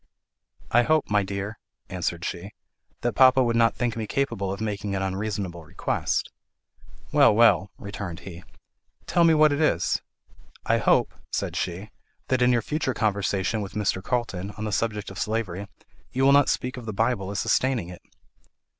"I hope, my dear," answered she, "that papa would not think me capable of making an unreasonable request." "Well, well," returned he; "tell me what it is." "I hope," said she, "that in your future conversation with Mr. Carlton, on the subject of slavery, you will not speak of the Bible as sustaining it."